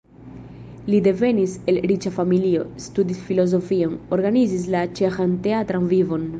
Li devenis el riĉa familio, studis filozofion, organizis la ĉeĥan teatran vivon.